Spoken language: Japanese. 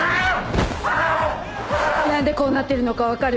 何でこうなってるのか分かる？